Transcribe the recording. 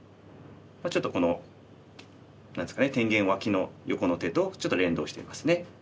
ちょっとこの何ですかね天元脇の横の手とちょっと連動していますね。